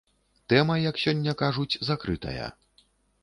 Тэма, як сёння кажуць, закрытая.